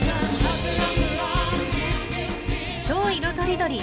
「超いろとりどり！